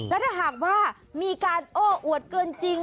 และถ้าหากว่ามีการโอ้อวดเกินจริง